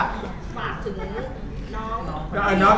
ฝากถึงน้อง